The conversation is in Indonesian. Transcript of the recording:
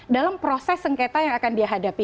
dalam proses sengketa yang akan dihadapi